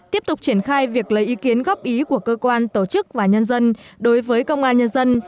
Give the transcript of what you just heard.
tiếp tục triển khai việc lấy ý kiến góp ý của cơ quan tổ chức và nhân dân đối với công an nhân dân